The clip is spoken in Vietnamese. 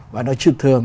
và nó trực thường